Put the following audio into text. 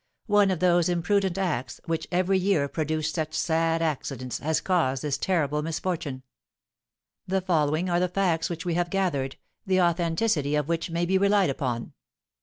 One of those imprudent acts, which every year produce such sad accidents, has caused this terrible misfortune. The following are the facts which we have gathered, the authenticity of which may be relied upon.